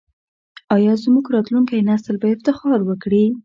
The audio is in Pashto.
آیا زموږ راتلونکی نسل به افتخار وکړي؟